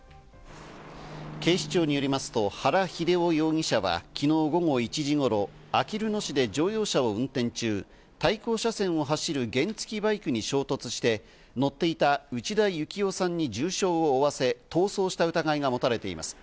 警視庁によりますと原英夫容疑者は昨日午後１時頃、あきる野市で乗用車を運転中、対向車線を走る原付バイクに衝突して、乗っていた内田之夫さんに重傷を負わせ、逃走した疑いがもたれています。